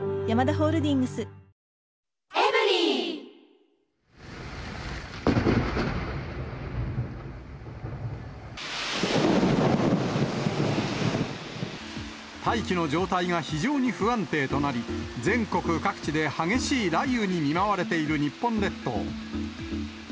突然の雷に、大気の状態が非常に不安定となり、全国各地で激しい雷雨に見舞われている日本列島。